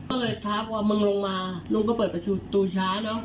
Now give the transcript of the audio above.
ก็เลยทักว่ามึงลงมาลุงก็เปิดประตูช้าเนอะ